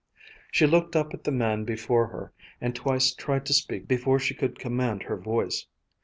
She looked up at the man before her and twice tried to speak before she could command her voice.